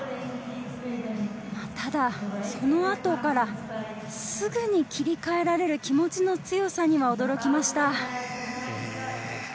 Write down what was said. ただ、その後からすぐに切り替えられる気持ちの強さには驚きました。